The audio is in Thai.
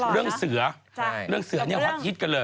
เรื่องเสือในวัดพิธีกันเลย